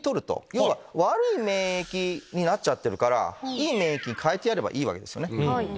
要は悪い免疫になっちゃってるからいい免疫に変えてやればいいわけですよね。